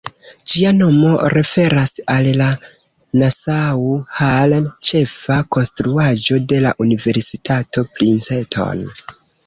Ĝia nomo referas al la ""Nassau Hall"", ĉefa konstruaĵo de la universitato Princeton.